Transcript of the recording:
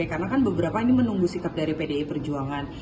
karena kan beberapa ini menunggu sikap dari pdi perjuangan